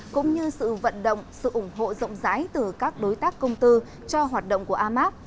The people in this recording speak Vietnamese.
cũng như sự vận động sự ủng hộ rộng rãi từ các đối tác công tư cho hoạt động của amac